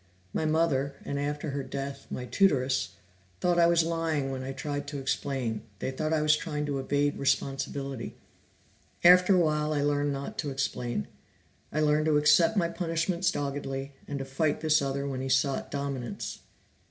My mother, and after her death, my tutoress, thought I was lying when I tried to explain; they thought I was trying to evade responsibility. After a while I learned not to explain; I learned to accept my punishments doggedly, and to fight this other when he sought dominance."